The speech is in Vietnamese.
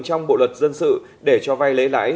trong bộ luật dân sự để cho vay lấy lãi